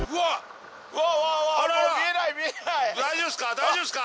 大丈夫っすか？